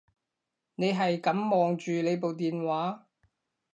你係噉望住你部電話